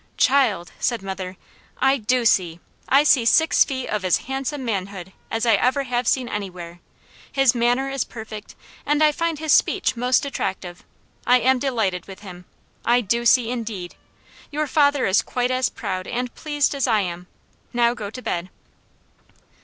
"Child," said mother, "I DO see! I see six feet of as handsome manhood as I ever have seen anywhere. His manner is perfect, and I find his speech most attractive. I am delighted with him. I do see indeed! Your father is quite as proud and pleased as I am. Now go to bed."